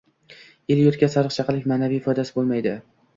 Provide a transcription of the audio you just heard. el-yurtga sariq chaqalik ma’naviy foydasi bo‘lmaydi.